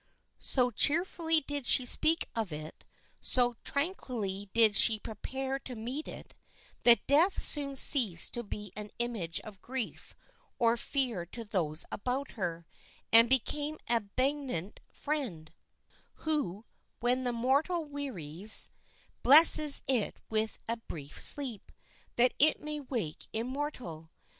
So cheerfully did she speak of it, so tranquilly did she prepare to meet it, that death soon ceased to be an image of grief or fear to those about her, and became a benignant friend, who, when the mortal wearies, blesses it with a brief sleep, that it may wake immortal.